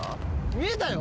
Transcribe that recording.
見えたよ。